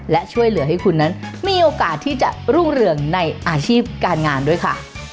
และช่วยเหลือให้คุณนั้นมีโอกาสที่จะรุ่งเรืองในอาชีพการงานด้วยค่ะ